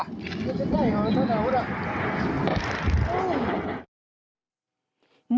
พูดเหรอ